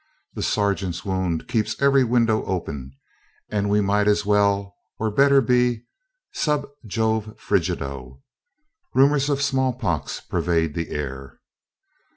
The sergeant's wound keeps every window open, and we might as well or better be sub Jove frigido. Rumors of small pox pervade the air.